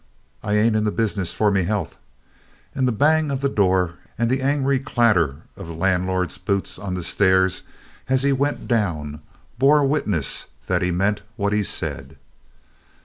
I ain't in the business for me health," and the bang of the door and the angry clatter of the landlord's boots on the stairs, as he went down, bore witness that he meant what he said.